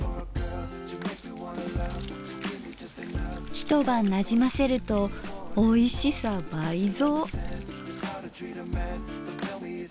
一晩なじませるとおいしさ倍増。